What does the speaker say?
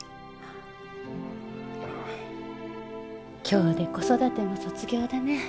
今日で子育ても卒業だね